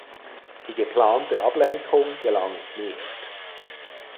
Die geplante Ablenkung gelang nicht.